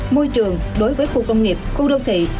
môi trường đối với khu công nghiệp khu đô thị